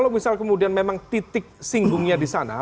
kalau misal kemudian memang titik singgungnya disana